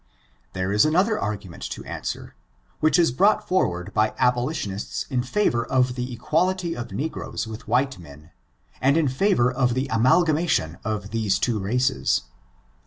There is another argument to answer, which is 17* 402 ORIGIN, CHARACTER, AND brought forward by abolitionists in favor of the equal ity of negroes with white men, and in favor of the amalgamation of these two races.